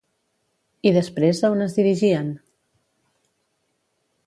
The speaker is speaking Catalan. I després a on es dirigien?